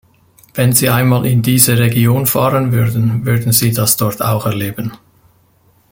Wenn Sie einmal in diese Regionen fahren würden, würden Sie das dort auch erleben.